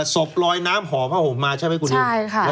ศพลอยน้ำห่อผ้าห่มมาใช่ไหมคุณนิว